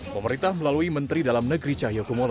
pemerintah melalui menteri dalam negeri cahyokumolo